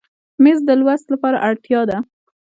مېز د لوست لپاره اړتیا ده.